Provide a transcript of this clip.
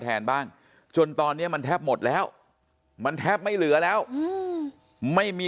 แทนบ้างจนตอนนี้มันแทบหมดแล้วมันแทบไม่เหลือแล้วไม่มี